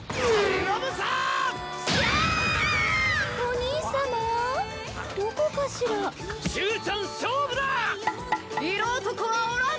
色男はおらんか！